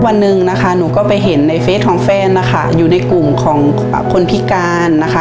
วันหนึ่งนะคะหนูก็ไปเห็นในเฟสของแฟนนะคะอยู่ในกลุ่มของคนพิการนะคะ